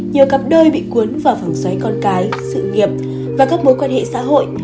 nhiều cặp đôi bị cuốn vào phòng xoáy con cái sự nghiệp và các mối quan hệ xã hội